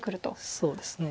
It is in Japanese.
そうですね。